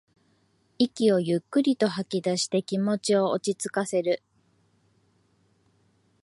息をゆっくりと吐きだして気持ちを落ちつかせる